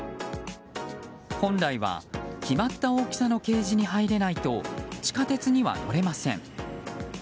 本来は、決まった大きさのケージに入れないと地下鉄には乗れません。